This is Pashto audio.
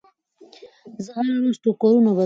زه هره ورځ ټوکرونه بدلوم.